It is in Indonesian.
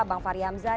bang fahri hamzah